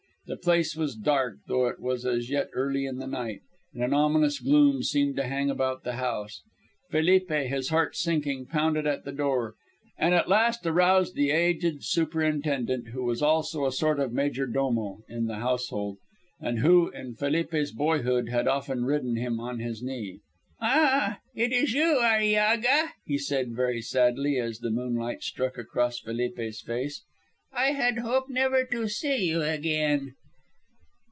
The place was dark though it was as yet early in the night, and an ominous gloom seemed to hang about the house. Felipe, his heart sinking, pounded at the door, and at last aroused the aged superintendent, who was also a sort of major domo in the household, and who in Felipe's boyhood had often ridden him on his knee. "Ah, it is you, Arillaga," he said very sadly, as the moonlight struck across Felipe's face. "I had hoped never to see you again."